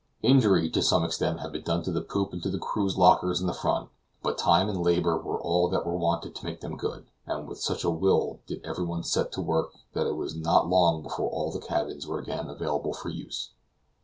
Injury, to some extent, had been done to the poop and to the crew's lockers in the front; but time and labor were all that were wanted to make them good; and with such a will did everybody set to work that it was not long before all the cabins were again available for use.